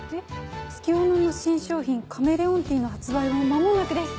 「月夜野の新商品カメレオンティーの発売は間もなくです。